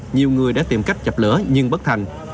nhiều người đã tìm cách dập lửa nhưng bất thành